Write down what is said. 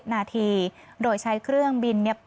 ๓๐นาทีโดยใช้เครื่องบิน